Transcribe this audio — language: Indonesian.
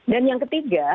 dan yang ketiga